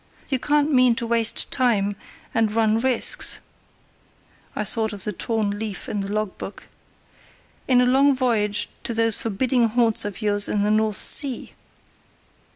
You can't mean to waste time and run risks" (I thought of the torn leaf in the log book) "in a long voyage to those forbidding haunts of yours in the North Sea."